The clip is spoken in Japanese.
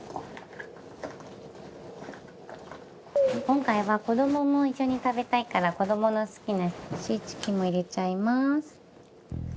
今回は子どもも一緒に食べたいから子どもの好きなシーチキンも入れちゃいます。